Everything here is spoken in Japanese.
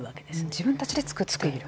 自分たちで作っている。